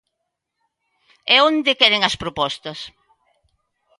¿E onde queren as propostas?